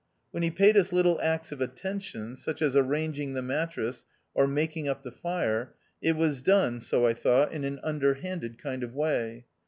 "When he paid us little acts of attention, such as arranging the mattress, or making up the fire, it was done, so I thought, in an under handed kind of way.